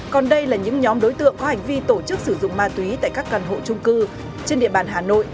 còn đây là những nhóm đối tượng có hành vi tổ chức sử dụng ma túy tại các căn hộ trung cư trên địa bàn hà nội